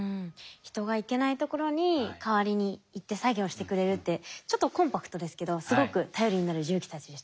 人が行けないところに代わりに行って作業してくれるってちょっとコンパクトですけどすごく頼りになる重機たちでしたね。